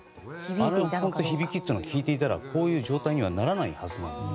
あの響きって聴いていたら、こういう状態にならないはずなのに。